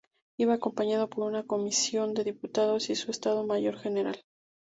Iba acompañado por una comisión de diputados y su estado mayor general.